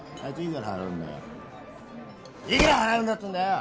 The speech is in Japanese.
いくら払うんだっつうんだよ！？